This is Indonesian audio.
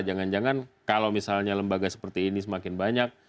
jangan jangan kalau misalnya lembaga seperti ini semakin banyak